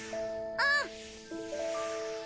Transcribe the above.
うん。